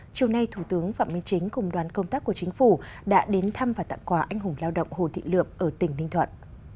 chiều nay thủ tướng phạm minh chính cùng đoàn công tác của chính phủ đã đến thăm và tặng quà anh hùng lao động hồ thị lượm ở tỉnh ninh thuận